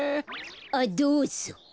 あっどうぞ。